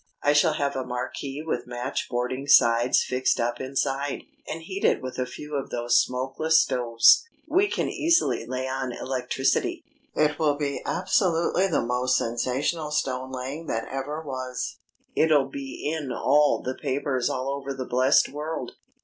I shall have a marquee with match boarding sides fixed up inside, and heat it with a few of those smokeless stoves. We can easily lay on electricity. It will be absolutely the most sensational stone laying that ever was. It'll be in all the papers all over the blessed world.